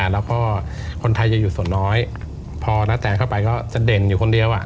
แล้วก็คนไทยจะอยู่ส่วนน้อยพอนาแตเข้าไปก็จะเด่นอยู่คนเดียว